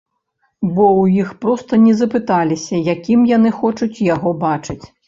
Бо ў іх проста не запыталіся, якім яны хочуць яго бачыць.